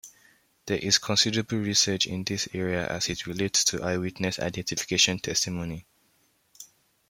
There is considerable research in this area as it relates to eyewitness identification testimony.